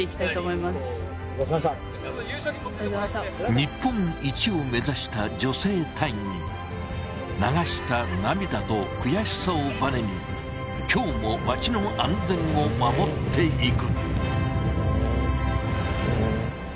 日本一を目指した女性隊員流した涙と悔しさをばねに今日も街の安全を守っていく。